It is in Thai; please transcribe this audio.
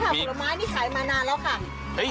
นี่ค่ะผลไม้นี่ขายมานานแล้วค่ะ